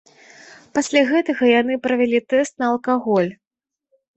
Пасля гэтага яны правялі тэст на алкаголь.